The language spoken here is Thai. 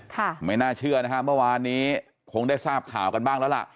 ไม่น่าเชื่อนะฮะเมื่อวานนี้คงได้ทราบข่าวกันบ้างแล้วล่ะ